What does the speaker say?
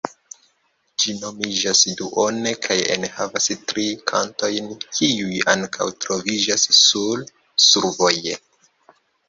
Ĝi nomiĝas "Duone" kaj enhavas tri kantojn kiuj ankaŭ troviĝas sur "Survoje".